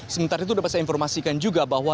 sementara itu dapat saya informasikan juga bahwa